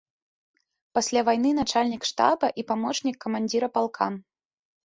Пасля вайны начальнік штаба і памочнік камандзіра палка.